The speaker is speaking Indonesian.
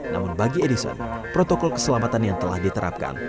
namun bagi edison protokol keselamatan yang telah diterapkan